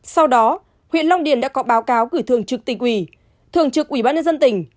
sau đó huyện long điền đã có báo cáo gửi thường trực tỉnh ủy thường trực ủy ban nhân dân tỉnh